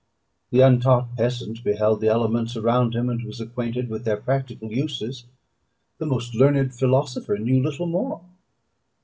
The untaught peasant beheld the elements around him, and was acquainted with their practical uses. The most learned philosopher knew little more.